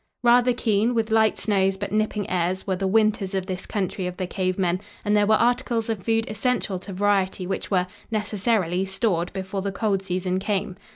Rather keen, with light snows but nipping airs, were the winters of this country of the cave men, and there were articles of food essential to variety which were, necessarily, stored before the cold season came.